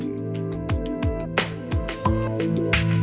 ชื่อฟอยแต่ไม่ใช่แฟง